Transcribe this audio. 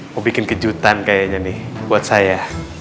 mau bikin kejutan kayaknya nih buat saya